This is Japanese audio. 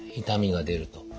痛みが出ると。